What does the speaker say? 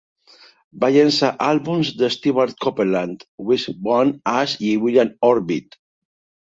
Va llançar àlbums de Stewart Copeland, Wishbone Ash i William Orbit.